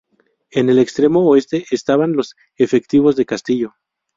En el extremo oeste estaban los efectivos de Castillo.